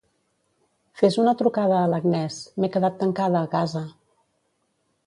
Fes una trucada a l'Agnès; m'he quedat tancada a casa.